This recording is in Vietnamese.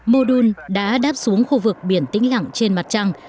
mô đun đã đáp xuống khu vực biển tĩnh lặng trên mặt trăng